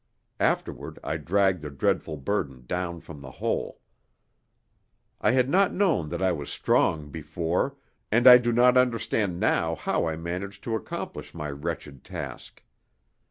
Afterward I dragged the dreadful burden down from the hole. I had not known that I was strong before, and I do not understand now how I managed to accomplish my wretched task.